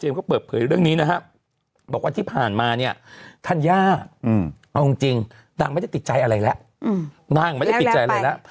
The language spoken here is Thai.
บอกว่าที่ผ่านมาท่านญาจริงนางไม่ได้ติดใจอะไรแล้ว